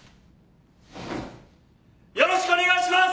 よろしくお願いします。